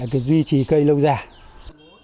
để duy trì cây lâu dài